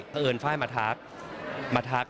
เพราะเอิญไฟล์มาทักมาทัก